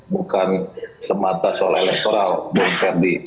bukan semata soal elektoral bung ferdi